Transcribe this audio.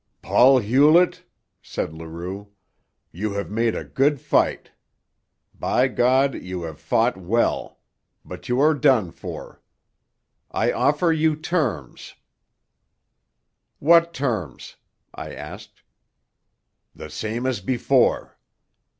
"Paul Hewlett," said Leroux, "you have made a good fight. By God, you have fought well! But you are done for. I offer you terms." "What terms?" I asked. "The same as before."